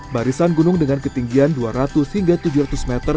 barisan gunung dengan ketinggian dua ratus hingga tujuh ratus meter